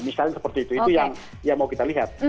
misalnya seperti itu itu yang mau kita lihat